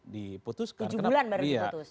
di tujuh bulan baru diputus